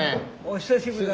お久しぶり。